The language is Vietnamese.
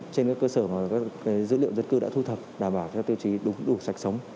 trên các cơ sở mà các dữ liệu dân cư đã thu thập đảm bảo các tiêu chí đủ sạch sống